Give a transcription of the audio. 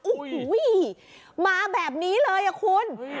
โอ้โหมาแบบนี้เลยอ่ะคุณ